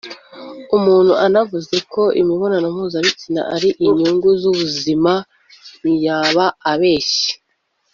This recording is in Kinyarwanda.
umuntu anavuze ko imibonano mpuzabitsina ari inyungu z’ubuzima ntiyaba abeshye